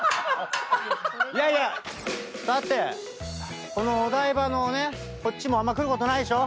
さてこのお台場のねこっちもあんま来ることないでしょ。